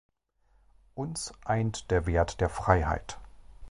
Uns eint der Wert der Freiheit.